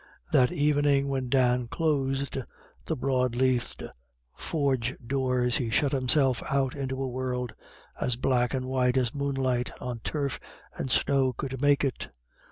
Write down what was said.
That evening when Dan closed the broad leaved forge doors, he shut himself out into a world as black and white as moonlight on turf and snow could make it.